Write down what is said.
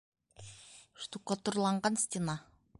Штукатурланған стена